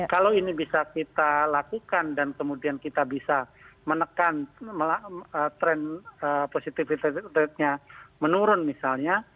kalau ini bisa kita lakukan dan kemudian kita bisa menekan tren positivity ratenya menurun misalnya